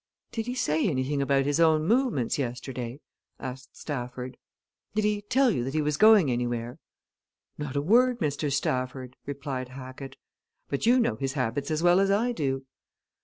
"Did he say anything about his own movements yesterday?" asked Stafford. "Did he tell you that he was going anywhere?" "Not a word, Mr. Stafford," replied Hackett. "But you know his habits as well as I do."